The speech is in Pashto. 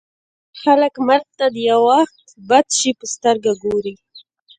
ډېر خلک مرګ ته د یوه بد شي په سترګه ګوري